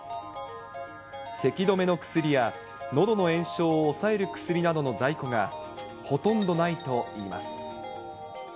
せき止めの薬やのどの炎症を抑える薬などの在庫がほとんどないといいます。